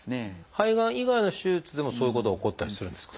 肺がん以外の手術でもそういうことが起こったりするんですか？